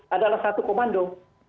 adalah satu komando